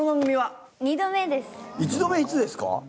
１度目いつですか？